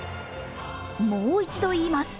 もう一度、言います